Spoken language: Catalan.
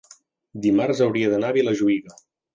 dimarts hauria d'anar a Vilajuïga.